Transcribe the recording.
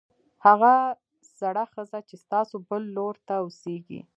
هغه زړه ښځه چې ستاسو بل لور ته اوسېږي